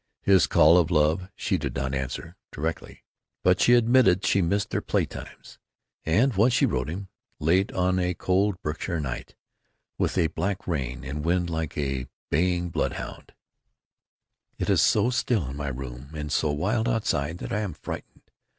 His call of love she did not answer—directly. But she admitted that she missed their playtimes; and once she wrote to him, late on a cold Berkshire night, with a black rain and wind like a baying bloodhound: It is so still in my room & so wild outside that I am frightened.